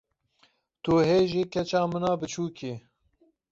Tu hê jî keça min a biçûk î.